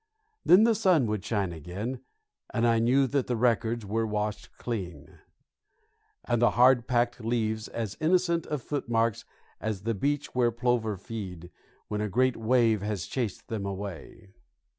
Then the sun would shine again, and I knew that the records were washed clean, and the hard packed leaves as innocent of footmarks as the beach where plover feed when a great wave has chased them away.